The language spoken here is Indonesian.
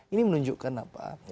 ini menunjukkan apa